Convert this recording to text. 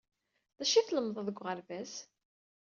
D acu ay tlemmded deg uɣerbaz?